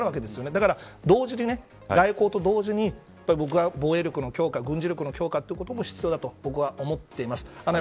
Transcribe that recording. だから同時に、外交と同時に僕は防衛力の強化軍事力の強化も必要だと思ってます。